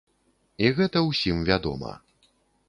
І гэта ўсім вядома.